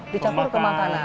di campur ke makanan